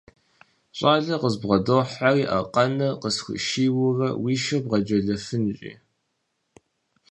Щӏалэр къызбгъэдохьэри, аркъэныр къысхуишийуэрэ, уи шыр бгъэджэлэфын, жи.